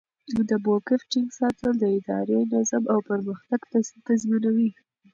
د موقف ټینګ ساتل د ادارې نظم او پرمختګ تضمینوي.